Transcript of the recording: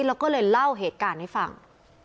แล้วก็เลยเล่าเหตุการณ์ให้ฟัง